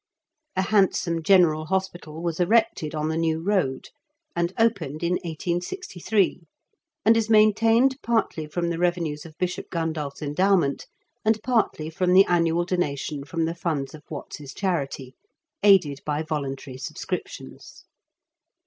A handsome general hospital was erected on the New Road, and opened in 1863, and is maintained partly from the revenues of Bishop Gundulph's endowment, and partly from the annual donation from the funds of Watts's charity, aided by voluntary subscriptions.